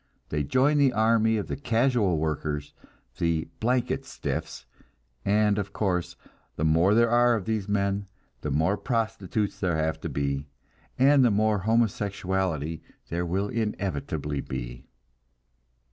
They join the army of the casual workers, the "blanket stiffs"; and, of course, the more there are of these men, the more prostitutes there have to be, and the more homosexuality there will inevitably be.